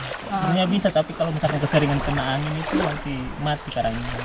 sebenarnya bisa tapi kalau misalkan keseringan kena angin itu nanti mati karangnya